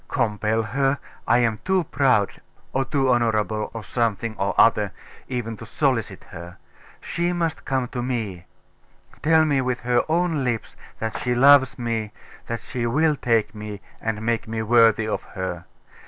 Compel her? I am too proud, or too honourable, or something or other, even to solicit her. She must come to me; tell me with her own lips that she loves me, that she will take me, and make me worthy of her.